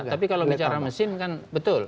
tapi kalau bicara mesin kan betul